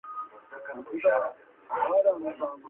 لیکل تر اورېدلو د حقایقو په سپړلو کي کومک کوي.